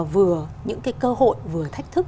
vừa những cái cơ hội vừa thách thức